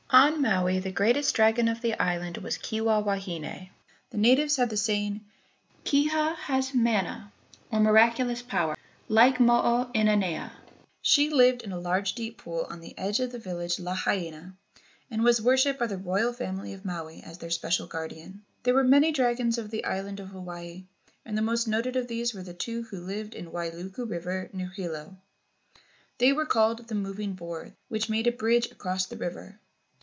On Maui, the greatest dragon of the island was Kiha wahine. The natives had the saying, "Kiha has mana, or miraculous power, like Mo o inanea." She lived in a large THE DRAGON GHOST GODS 259 deep pool on the edge of the village Lahaina, and was wor¬ shipped by the royal family of Maui as their special guardian. There were many dragons of the island of Hawaii, and the most noted of these were the two who lived in the Wailuku River near Hilo. They w'ere called "the moving boards" which made a bridge across the river.